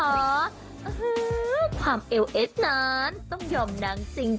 อื้อฮือความเอวเอสนั้นต้องยอมนั่งจริง